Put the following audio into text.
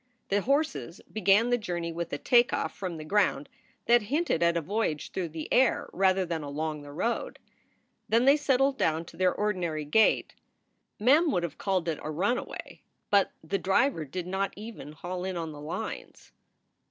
The horses began the journey with a take off from the ground that hinted at a voyage through the air rather than along the road. Then they settled down to their ordinary gait. Mem would have called it a runaway, but the driver did not even haul in on the lines.